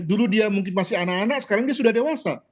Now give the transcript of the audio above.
dulu dia mungkin masih anak anak sekarang dia sudah dewasa